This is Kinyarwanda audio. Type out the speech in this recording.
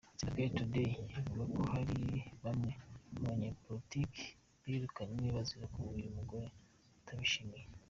Zimbabwe Today ivuga ko hari bamwe mu banyapolitiki birukanywe bazira ko uyu mugore atabishimiye.